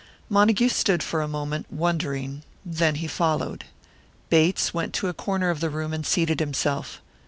Montague stood for a moment, wondering; then he followed. Bates went to a corner of the room and seated himself.